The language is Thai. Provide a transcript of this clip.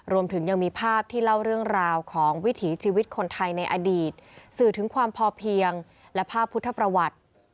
รวมถึงยังมีภาพที่เล่าเรื่องราวของวิถีชีวิตคนไทยในอดีตสื่อถึงความพอเพียงและภาพพุทธประวัติ